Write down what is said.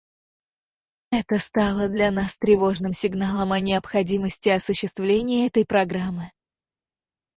Это стало для нас тревожным сигналом о необходимости осуществления этой программы.